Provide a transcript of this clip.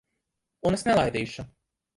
Un es nelaidīšu.